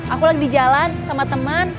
aku lagi di jalan sama teman